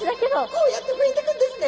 こうやって増えていくんですね。